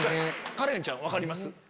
カレンちゃん分かります？